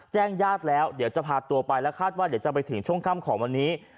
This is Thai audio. ญาติแล้วเดี๋ยวจะพาตัวไปและคาดว่าเดี๋ยวจะไปถึงช่วงค่ำของวันนี้